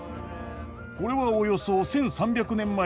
これはおよそ１，３００年前の絵画石碑。